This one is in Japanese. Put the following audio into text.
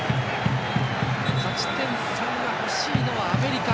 勝ち点３が欲しいのはアメリカ。